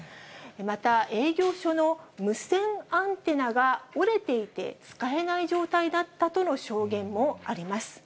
また、営業所の無線アンテナが折れていて使えない状態だったとの証言もあります。